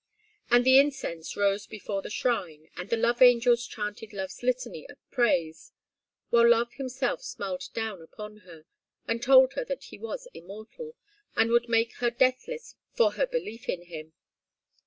And the incense rose before the shrine, and the love angels chanted love's litany of praise, while Love himself smiled down upon her, and told her that he was immortal, and would make her deathless for her belief in him.